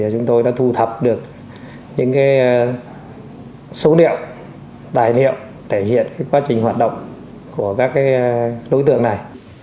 chúng tôi đã thu thập được những số liệu tài liệu thể hiện quá trình hoạt động của các đối tượng này